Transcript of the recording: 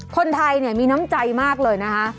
คนไทยเนี่ยมีน้ำใจมากเลยนะคะ